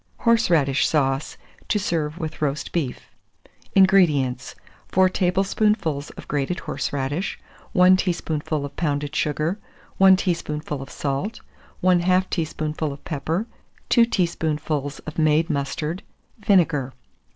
HORSERADISH SAUCE, to serve with Roast Beef. 447. INGREDIENTS. 4 tablespoonfuls of grated horseradish, 1 teaspoonful of pounded sugar, 1 teaspoonful of salt, 1/2 teaspoonful of pepper, 2 teaspoonfuls of made mustard; vinegar.